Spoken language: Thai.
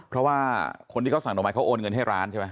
เพราะว่าคนที่เขาสั่งดอกไม้เขาโอนเงินให้ร้านใช่ไหม